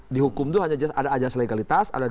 di hukum itu hanya ada ajas legalitas ada